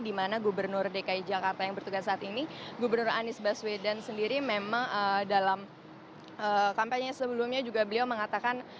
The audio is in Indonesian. di mana gubernur dki jakarta yang bertugas saat ini gubernur anies baswedan sendiri memang dalam kampanye sebelumnya juga beliau mengatakan